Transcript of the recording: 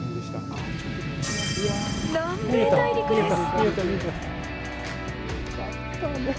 南米大陸です。